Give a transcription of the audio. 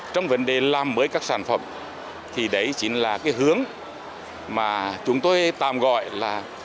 trong vấn đề làm mới các sản phẩm thì đấy chính là cái hướng mà chúng tôi tạm gọi là